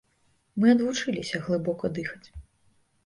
Мы адвучыліся глыбока дыхаць.